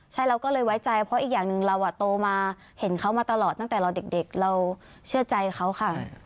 ใช่เราก็เลยไว้ใจเพราะอีกอย่างหนึ่งเราโตมาเห็นเขามาตลอดตั้งแต่เราเด็กเราเชื่อใจเขาค่ะ